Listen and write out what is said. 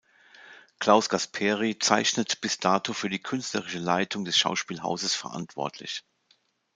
Klaus Gasperi zeichnet bis dato für die künstlerische Leitung des Schauspielhauses verantwortlich.